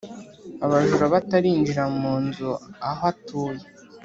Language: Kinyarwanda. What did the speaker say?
abajura batarinjira mu nzu aho atuye